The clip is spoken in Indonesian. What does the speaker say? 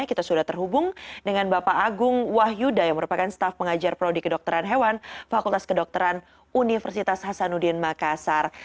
kita sudah terhubung dengan bapak agung wahyuda yang merupakan staff pengajar prodi kedokteran hewan fakultas kedokteran universitas hasanuddin makassar